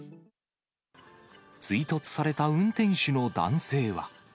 追突された運転手の男性は。